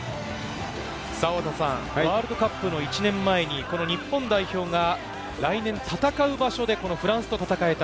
ワールドカップの１年前に日本代表が来年戦う場所でフランスと戦えた。